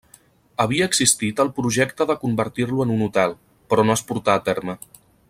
Havia existit el projecte de convertir-lo en un hotel, però no es portà a terme.